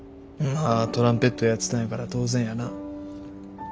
まあトランペットやってたんやから当然やな。